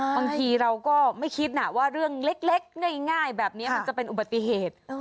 บางทีเราก็ไม่คิดนะว่าเรื่องเล็กง่ายแบบนี้มันจะเป็นอุบัติเหตุ